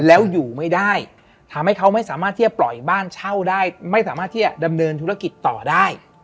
แล้วอยู่ไม่ได้ทำให้เขาไม่สามารถที่จะปล่อยบ้านเช่าได้ไม่สามารถที่จะดำเนินธุรกิจต่อได้